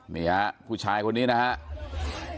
นี่ฮะผู้ชายคนนี้นะครับ